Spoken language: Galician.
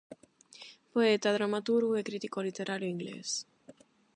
Poeta, dramaturgo e crítico literario inglés.